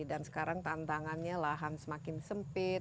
dan sekarang tantangannya lahan semakin sempit